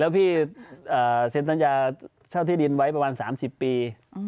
แล้วพี่เซ็นสัญญาเช่าที่ดินไว้ประมาณ๓๐ปี